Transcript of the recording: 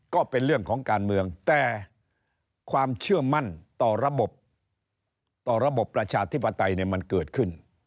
ก็เป็นเรื่องของการเมืองแต่ความเชื่อมั่นต่อระบบต่อระบบประชาธิปไตยมันเกิดขึ้น